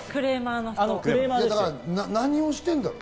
何をしてるんだろう。